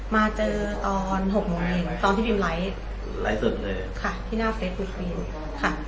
มาเจอตอน๖โมงตอนที่บีมไลฟ์ไลฟ์สดเลยค่ะที่หน้าเฟซบุ๊คบีมค่ะ